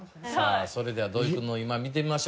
それでは土井くんの今見てみましょうかね。